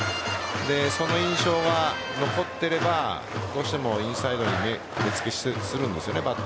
その印象が残っていればどうしてもインサイドに目付けしたりするんです。